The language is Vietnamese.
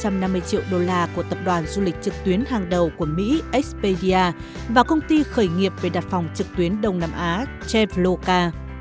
nhiều nhà đầu tư trị giá ba trăm năm mươi triệu usd của tập đoàn du lịch trực tuyến hàng đầu của mỹ expedia và công ty khởi nghiệp về đặt phòng trực tuyến đông nam á chevroca